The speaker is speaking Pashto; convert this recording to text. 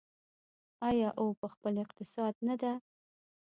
آیا او په خپل اقتصاد نه ده؟